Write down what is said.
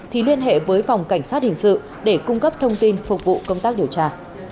thì liên hệ với phòng cảnh sát hình sự để cung cấp thông tin phục vụ công tác điều tra